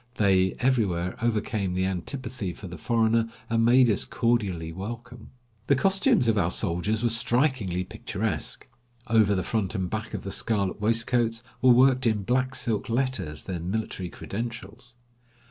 They everywhere overcame the antipathy for the foreigner, and made us cordially welcome. The costumes of our soldiers were strikingly picturesque. Over the front and back of the scarlet waistcoats were worked in black silk letters their military credentials.